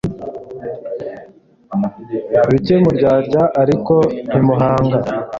bike m murarya ariko ntimuhaga